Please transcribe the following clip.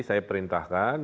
saya perintahkan dua puluh